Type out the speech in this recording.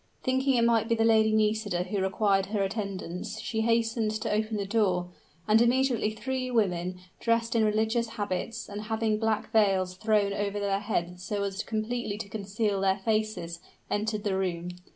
Thinking it might be the Lady Nisida who required her attendance she hastened to open the door; and immediately three women, dressed in religious habits and having black veils thrown over their heads so as completely to conceal their faces, entered the room.